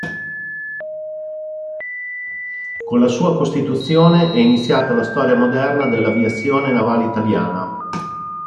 Con la sua costituzione è iniziata la storia moderna della Aviazione Navale Italiana.